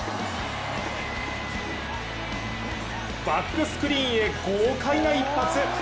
バックスクリーンへ豪快な一発。